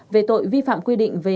về tội vi phạm quy định về